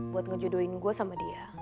buat ngejodohin gue sama dia